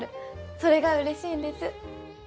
それがうれしいんです。